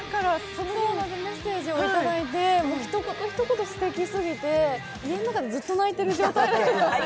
そうなんです、メッセージをいただいてひと言ひと言すてきで、家の中でずっと泣いてる状態でした。